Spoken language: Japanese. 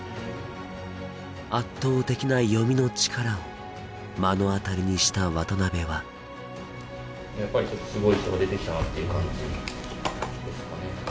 圧倒的な読みの力を目の当たりにした渡辺はやっぱりちょっとすごい人が出てきたなっていう感じですかね。